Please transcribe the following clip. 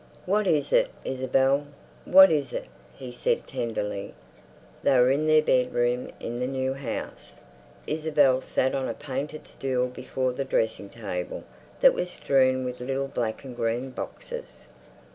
"What is it, Isabel? What is it?" he said tenderly. They were in their bedroom in the new house. Isabel sat on a painted stool before the dressing table that was strewn with little black and green boxes.